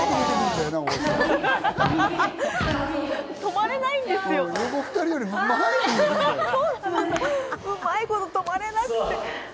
うまいこと止まれなくて。